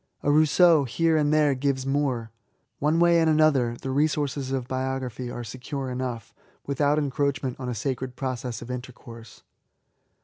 A Rousseau here and there gives more. One way and another, the resources of biography are secure enough, without encroachment on a sacred LIFE TO THE INVALID. 96 process of intercourse.